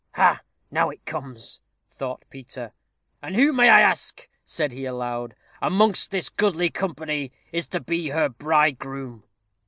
"Ha! now it comes," thought Peter. "And who, may I ask," said he, aloud, "amongst this goodly company, is to be her bridegroom?"